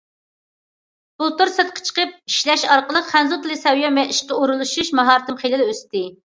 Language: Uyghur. بۇلتۇر سىرتقا چىقىپ ئىشلەش ئارقىلىق خەنزۇ تىلى سەۋىيەم ۋە ئىشقا ئورۇنلىشىش ماھارىتىم خېلىلا ئۆستى.